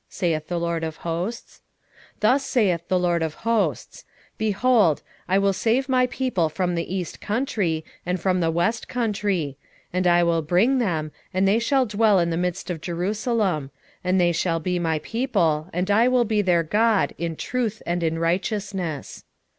saith the LORD of hosts. 8:7 Thus saith the LORD of hosts; Behold, I will save my people from the east country, and from the west country; 8:8 And I will bring them, and they shall dwell in the midst of Jerusalem: and they shall be my people, and I will be their God, in truth and in righteousness.